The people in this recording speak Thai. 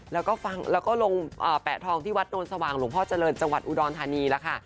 แล้วก็ฟังแล้วก็ลงแปะทองที่วัดโนนสว่างหลวงพ่อเจริญจังหวัดอุดรธานีแล้วค่ะ